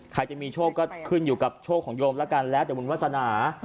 ใครจะมีโชคก็ขึ้นอยู่กับโชคของโยมแล้วกันแล้วแต่บุญวาสนา